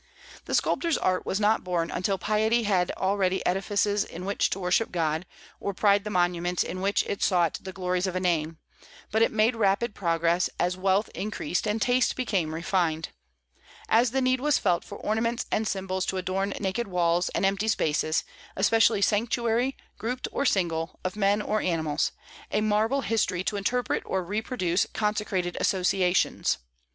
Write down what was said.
The sculptor's art was not born until piety had already edifices in which to worship God, or pride the monuments in which it sought the glories of a name; but it made rapid progress as wealth increased and taste became refined; as the need was felt for ornaments and symbols to adorn naked walls and empty spaces, especially statuary, grouped or single, of men or animals, a marble history to interpret or reproduce consecrated associations.